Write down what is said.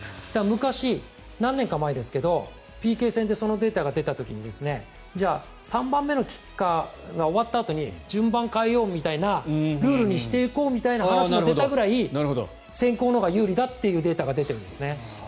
昔、何年か前ですがＰＫ戦でそのデータが出た時に３番目のキッカーが終わったあとに順番を変えようみたいなルールにしようという話が出たくらい先攻のほうが有利だというデータが出ているんですね。